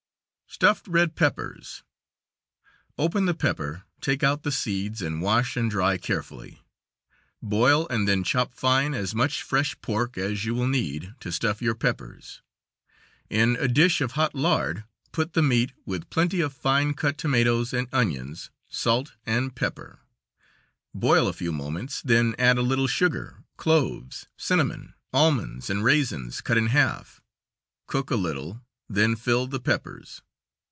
Stuffed red peppers: Open the pepper, take out the seeds and wash and dry carefully. Boil and then chop fine as much fresh pork as you will need to stuff your peppers. In a dish of hot lard put the meat with plenty of fine cut tomatoes and onions, salt and pepper. Boil a few moments, then add a little sugar, cloves, cinnamon, almonds, and raisins cut in half, cook a little, then fill the peppers.